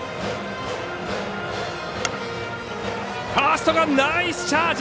ファーストがナイスチャージ。